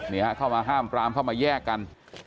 นี่ฮะเข้ามาห้ามปรามเข้ามาแยกกัน